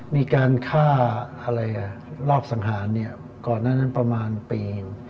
มีการฆ่ารอบสังหารก่อนนั้นประมาณปี